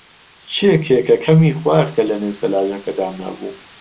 کێ کێکەکەمی خوارد کە لەنێو سەلاجەکە دامنابوو؟